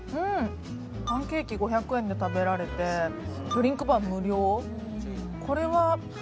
パンケーキ５００円で食べられてドリンクバー無料